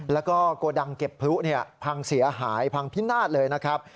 แล้วก็โกดังเก็บพลุพังเสียหายพังพินาศเลยนะครับ